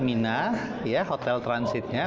mendekati mina hotel transitnya